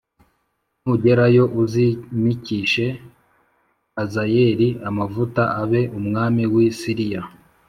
nugerayo uzimikishe Hazayeli amavuta abe umwami w’i Siriya,